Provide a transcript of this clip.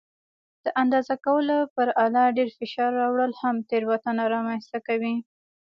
د اندازه کولو پر آله ډېر فشار راوړل هم تېروتنه رامنځته کوي.